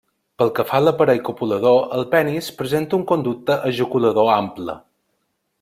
Pel que fa a l'aparell copulador, el penis presenta un conducte ejaculador ample.